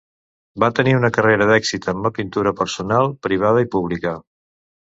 Va tenir una carrera d'èxit en la pintura personal privada i pública.